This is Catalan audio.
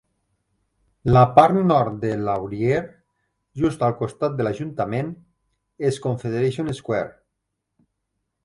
La part nord de Laurier, just al costat de l'ajuntament, és Confederation Square.